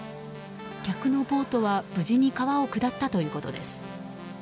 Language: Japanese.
客のボートは無事に川を下ったということです。